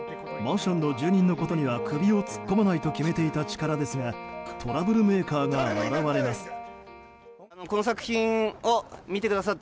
マンションの住民のことには首を突っ込まないと決めていたチカラですがトラブルメーカーが現れます。